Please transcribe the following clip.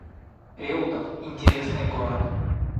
Реутов — интересный город